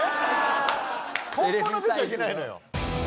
本物づいちゃいけないのよ。